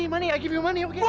uang aku kasih uang